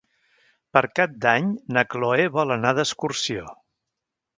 Per Cap d'Any na Chloé vol anar d'excursió.